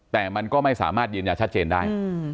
แต่มันก็ไม่สามารถยืนยันชัดเจนได้